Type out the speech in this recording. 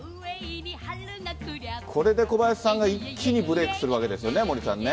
これで小林さんが一気にブレークするわけですよね、森さんね。